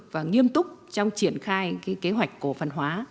và nghiêm túc trong triển khai kế hoạch cổ phần hóa